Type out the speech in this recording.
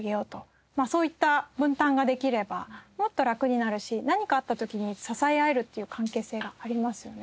そういった分担ができればもっとラクになるし何かあった時に支え合えるという関係性がありますよね。